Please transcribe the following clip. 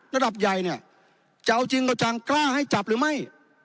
ระดับใหญ่เนี่ยจะเอาจริงเอาจังกล้าให้จับหรือไม่